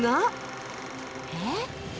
えっ？